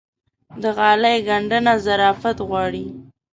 د غالۍ ګنډنه ظرافت غواړي.